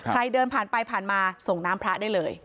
เดินผ่านไปผ่านมาส่งน้ำพระได้เลย